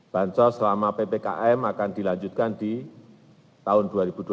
bantuan sosial selama ppkm akan dilanjutkan di tahun dua ribu dua puluh tiga